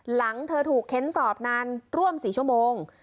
หลังเธอถูกเค้นสอบนานร่วม๔ชั่วโมง